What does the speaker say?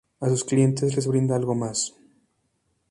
A sus clientes, les brinda algo más.